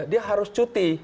dia harus cuti